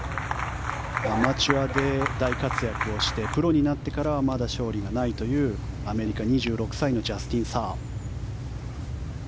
アマチュアで大活躍をしてプロになってからはまだ勝利がないというアメリカ、２６歳のジャスティン・サー。